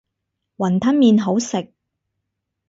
雲吞麵好食